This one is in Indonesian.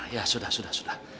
ya sudah sudah